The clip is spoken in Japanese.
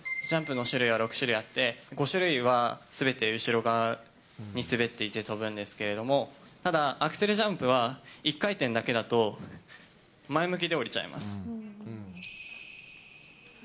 ジャンプの種類は６種類あって、５種類はすべて後ろ側に滑っていって跳ぶんですけれども、ただ、アクセルジャンプは、１回転だけだと、前向きで下りちゃいます。